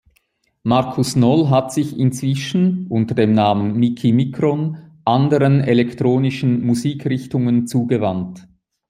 Marcus Noll hat sich inzwischen, unter dem Namen "Miki Mikron", anderen elektronischen Musikrichtungen zugewandt.